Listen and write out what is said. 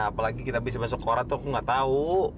apalagi kita bisa masuk korat tuh aku nggak tahu